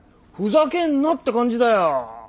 ふざけんな！って感じだよ。